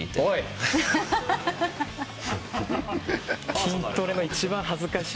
筋トレの一番恥ずかしい。